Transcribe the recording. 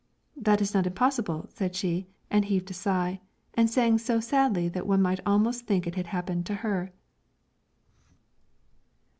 "That is not impossible," said she, and heaved a sigh, and sang so sadly that one might almost think it had happened to her.